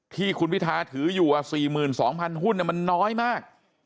ที่คุณพิทาถืออยู่๔๒๐๐หุ้นมันน้อยมาก